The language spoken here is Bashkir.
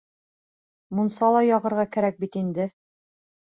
Мунса ла яғырға кәрәк бит инде.